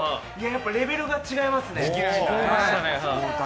やっぱレベルが違いますね。